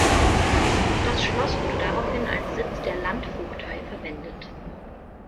Das Schloss wurde daraufhin als Sitz der Landvogtei verwendet.